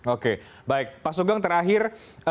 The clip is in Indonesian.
oke baik pak sugeng terakhir